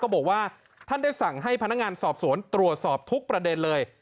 บอกว่าท่านได้สั่งให้พนักงานสอบสวนตรวจสอบทุกประเด็นเลย